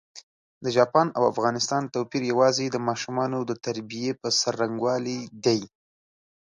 د چاپان او افغانستان توپېر یوازي د ماشومانو د تربیې پر ځرنګوالي دی.